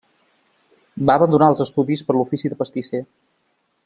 Va abandonar els estudis per l'ofici de pastisser.